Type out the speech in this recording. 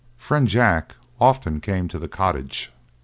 Friend Jack often came to the cottage.